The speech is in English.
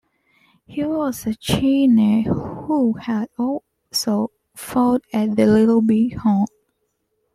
He was a Cheyenne, who had also fought at the Little Big Horn.